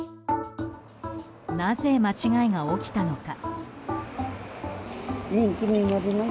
なぜ間違いが起きたのか。